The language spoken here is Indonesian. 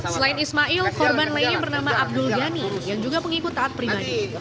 selain ismail korban lainnya bernama abdul ghani yang juga pengikut taat pribadi